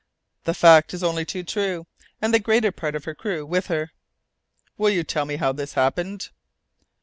"The fact is only too true, and the greater part of her crew with her." "Will you tell me how this happened?"